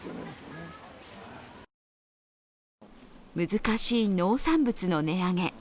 難しい農産物の値上げ。